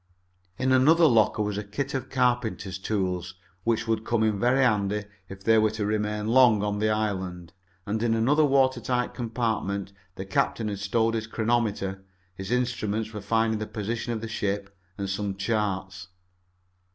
In another locker was a kit of carpenter's tools, which would come in very handy if they were to remain long on the island, and in another water tight compartment the captain had stowed his chronometer, his instruments for finding the position of the ship, and some charts.